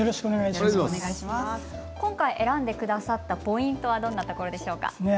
今回、選んでくださったポイントどんなところでしょうか。